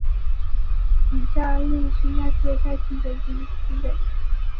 以下列出那些热带气旋的资料。